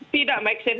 tidak make sense